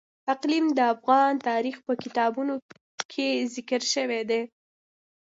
اقلیم د افغان تاریخ په کتابونو کې ذکر شوی دي.